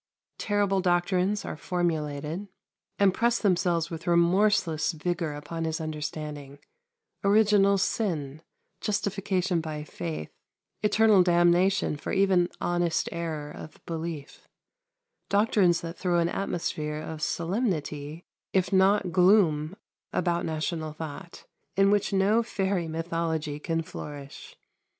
Terrible doctrines are formulated, and press themselves with remorseless vigour upon his understanding original sin, justification by faith, eternal damnation for even honest error of belief, doctrines that throw an atmosphere of solemnity, if not gloom, about national thought, in which no fairy mythology can flourish.